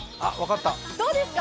どうですか？